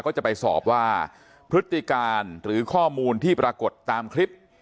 ก็จะไปสอบว่าพฤติการหรือข้อมูลที่ปรากฏตามคลิป